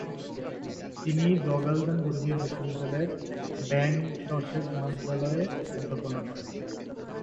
তিনি দ্গা'-ল্দান বৌদ্ধবিহার বিশ্ববিদ্যালয়ের ব্যাং-র্ত্সে মহাবিদ্যালয়ে অধ্যাপনা করেন।